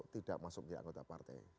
tidak masuk di anggota partai